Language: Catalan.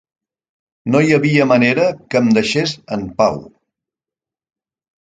No hi havia manera que em deixés en pau.